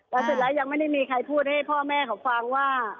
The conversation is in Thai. แล้วเสร็จแล้วยังไม่ได้มีใครพูดให้พ่อแม่เขาฟังว่า